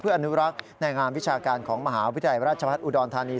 อนุรักษ์ในงานวิชาการของมหาวิทยาลัยราชพัฒนอุดรธานี